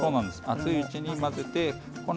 熱いうちに混ぜて。